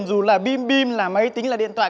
dù là bim bim là máy tính là điện thoại